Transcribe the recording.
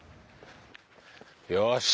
よし。